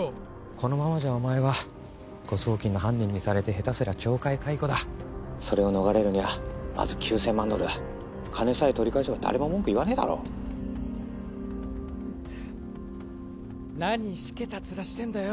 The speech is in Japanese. このままじゃお前は誤送金の犯人にされて下手すりゃ懲戒解雇だ☎それを逃れるにはまず９千万ドルだ☎金さえ取り返せば誰も文句言わねえだろ何しけたツラしてんだよ